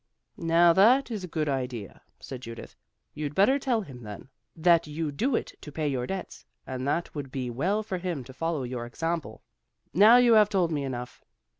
"Now that is a good idea," said Judith. "You'd better tell him then, that you do it to pay your debts, and that it would be well for him to follow your example. Now you have told me enough.